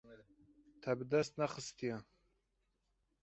Te bi dest nexistiye.